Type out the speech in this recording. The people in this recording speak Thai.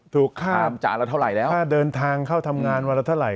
ถูกค่าจ่าละเท่าไหร่แล้วค่าเดินทางเข้าทำงานวันละเท่าไห